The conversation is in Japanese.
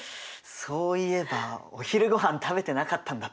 そういえばお昼ごはん食べてなかったんだった。